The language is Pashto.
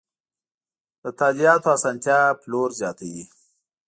د تادیاتو اسانتیا پلور زیاتوي.